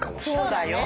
そうだよ。